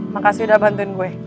makasih udah bantuin gue